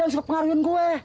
jangan suka pengaruhin gue